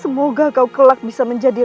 semoga kau kelak bisa menjadi